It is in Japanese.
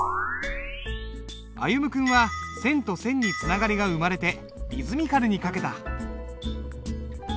歩夢君は線と線につながりが生まれてリズミカルに書けた。